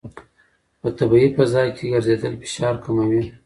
په طبیعي فضا کې ګرځېدل فشار کموي.